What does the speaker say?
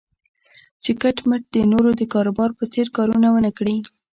چې کټ مټ د نورو د کاروبار په څېر کارونه و نه کړي.